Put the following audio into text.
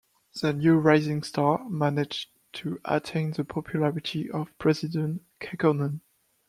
The new rising star managed to attain the popularity of President Kekkonen.